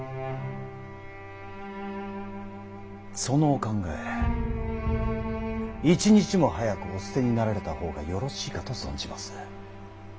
そのお考え一日も早くお捨てになられた方がよろしいかと存じます。